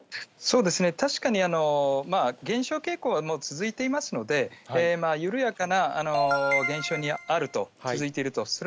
確かに減少傾向は続いていますので、緩やかな減少にあると、続いていると。